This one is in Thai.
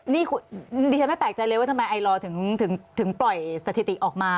นี่ดิฉันไม่แปลกใจเลยว่าทำไมไอลอร์ถึงปล่อยสถิติออกมา